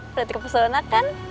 berarti kepasona kan